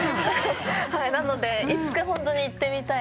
なのでいつかホントに行ってみたい。